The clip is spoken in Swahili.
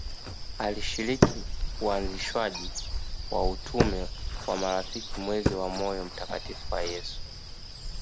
Alishiriki uanzishwaji wa utume wa marafiki mwezi wa moyo mtakatifu wa Yesu